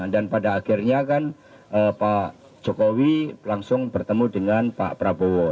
dan pada akhirnya kan pak jokowi langsung bertemu dengan pak prabowo